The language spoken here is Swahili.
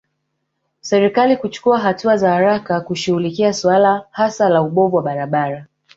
Serikali kuchukua hatua za haraka kushughulikia suala hasa la ubovu wa barabara